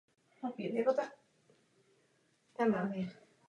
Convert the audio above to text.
Během svého působení zaregistroval desítky patentů.